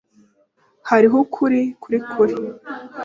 Hariho ukuri kuri kuri.